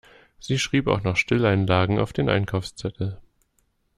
Sie schrieb auch noch Stilleinlagen auf den Einkaufszettel.